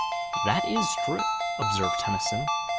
"That is true," observed Tennyson.